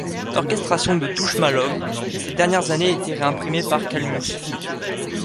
L'orchestration de Touchmalov a ces dernières années été réimprimée par Kalmus.